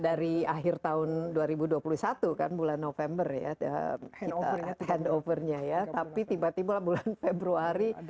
dari akhir tahun dua ribu dua puluh satu kan bulan november ya kita handovernya ya tapi tiba tiba bulan februari